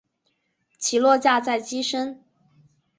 起落架在机身。